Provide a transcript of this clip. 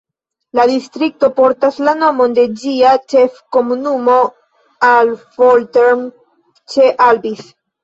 La distrikto portas la nomon de ĝia ĉef-komunumo Affoltern ĉe Albis.